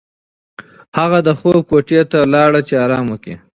هغه د خوب کوټې ته لاړه چې ارام وکړي.